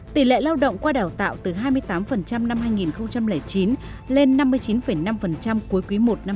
tỷ lệ lao động qua đào tạo từ hai mươi tám năm hai nghìn chín lên năm mươi chín năm cuối quý i năm hai nghìn một mươi